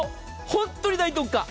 本当に大特価。